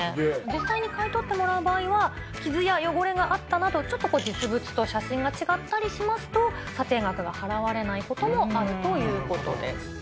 実際に買い取ってもらう場合は傷や汚れがあったなど、ちょっと実物と写真が違ったりしますと、査定額が払われないこともあるということです。